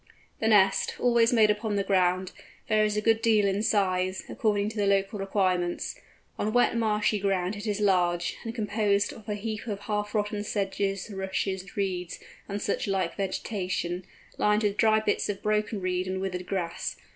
The nest—always made upon the ground—varies a good deal in size, according to the local requirements. On wet marshy ground it is large, and composed of a heap of half rotten sedges, rushes, reeds, and such like vegetation, lined with dry bits of broken reed and withered grass.